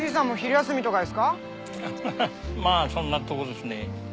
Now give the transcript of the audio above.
アハハまあそんなとこですね。